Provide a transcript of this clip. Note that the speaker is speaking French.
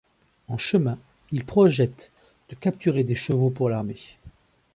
En chemin, ils projettent de capturer des chevaux pour l'armée.